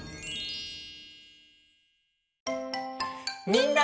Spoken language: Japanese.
みんな！